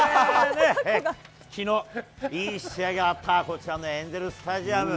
きのう、いい試合があった、こちらのエンゼルスタジアム。